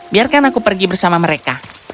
biarkan aku pergi bersama mereka